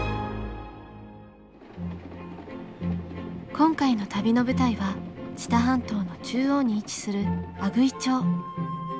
今回の旅の舞台は知多半島の中央に位置する阿久比町。